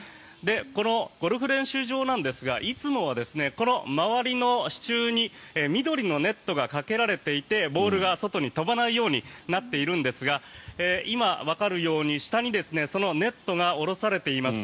このゴルフ練習場ですがいつもはこの周りの支柱に緑のネットがかけられていてボールが外に飛ばないようになっているんですが今、わかるように、下にそのネットが下ろされています。